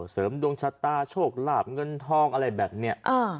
เสริมดวงชะตาโชคลาบเงินทองอะไรแบบนี้